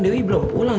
tdw belum pulang